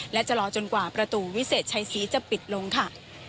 และจะรอจนกว่าประตูวิเศษชัยศรีจะปิดลงค่ะ